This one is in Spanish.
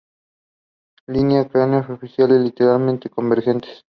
Líneas cráneo faciales ligeramente convergentes.